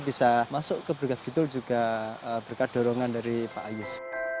termasuk program tiga r ini bisa masuk ke bg skidul juga berkat dorongan dari pak ayus